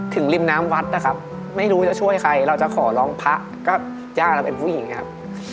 ริมน้ำวัดนะครับไม่รู้จะช่วยใครเราจะขอร้องพระก็ย่าเราเป็นผู้หญิงนะครับ